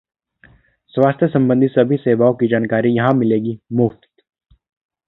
स्वास्थ्य संबंधी सभी सेवाओं की जानकारी यहां मिलेगी मुफ्त